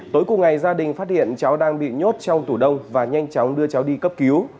tối cùng ngày gia đình phát hiện cháu đang bị nhốt trong tủ đông và nhanh chóng đưa cháu đi cấp cứu